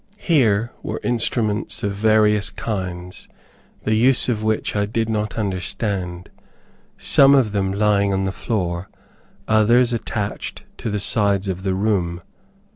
Here were instruments of various kinds, the use of which, I did not understand; some of them lying on the floor, others attached to the sides of the room.